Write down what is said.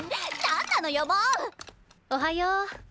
おはよう。